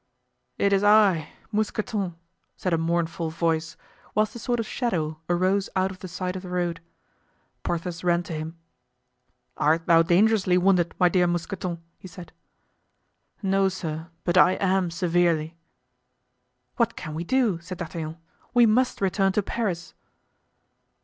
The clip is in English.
"It is I—Mousqueton," said a mournful voice, whilst a sort of shadow arose out of the side of the road. Porthos ran to him. "Art thou dangerously wounded, my dear Mousqueton?" he said. "No, sir, but I am severely." "What can we do?" said D'Artagnan; "we must return to Paris."